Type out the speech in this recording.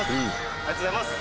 ありがとうございます。